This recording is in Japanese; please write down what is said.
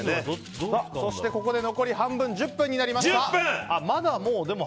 ここで残り半分１０分になりました。